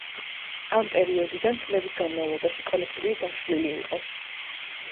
ამ პერიოდიდან, წლების განმავლობაში კოლექტივი დაშლილი იყო.